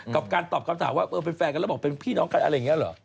กับการตอบคำถามว่าเออเป็นแฟนกันแล้วบอกเป็นพี่น้องกันอะไรอย่างนี้เหรอ